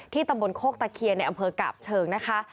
ตำบลโคกตะเคียนในอำเภอกาบเชิงนะคะ